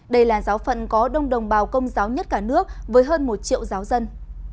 đây là giáo phận có đông đồng bào công giáo nhất cả nước với hơn một triệu giáo dân